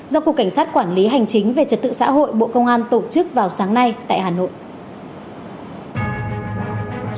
do cục cảnh sát quản lý hành chính về trật tự xã hội bộ công an tổ chức vào sáng nay tại hà nội